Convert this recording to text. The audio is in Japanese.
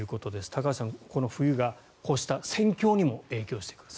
高橋さん、この冬がこうした戦況にも影響してくると。